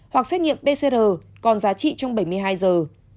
hoặc xét nghiệm pcr còn giá trị trong bảy mươi hai giờ